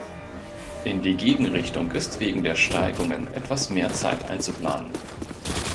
In die Gegenrichtung ist wegen der Steigungen etwas mehr Zeit einzuplanen.